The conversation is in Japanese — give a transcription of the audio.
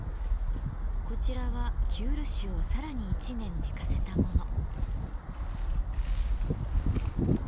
こちらは生漆をさらに１年寝かせたもの。